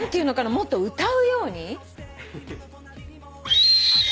もっと歌うように。